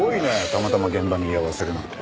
たまたま現場に居合わせるなんて。